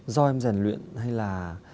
do em rèn luyện hay là